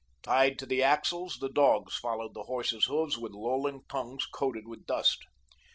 Tied to the axles, the dogs followed the horses' hoofs with lolling tongues coated with dust.